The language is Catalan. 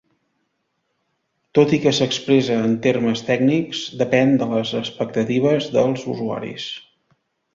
Tot i que s'expressa en termes tècnics, depèn de les expectatives dels usuaris.